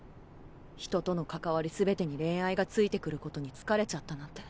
人との関わり全てに恋愛がついてくることに疲れちゃったなんて。